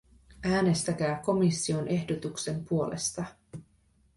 Äänestäkää komission ehdotuksen puolesta!